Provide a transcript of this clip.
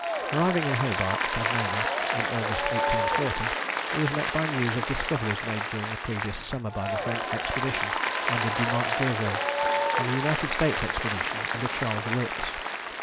Arriving in Hobart, Tasmania, in August 1840, he was met by news of discoveries made during the previous summer by the French Expedition under Dumont D'Urville and the United States Expedition under Charles Wilkes.